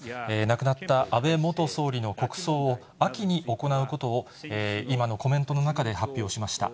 亡くなった安倍元総理の国葬を、秋に行うことを、今のコメントの中で発表しました。